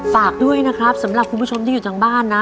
ฝากด้วยนะครับสำหรับคุณผู้ชมที่อยู่ทางบ้านนะ